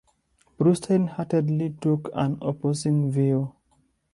Brustein heatedly took an opposing view.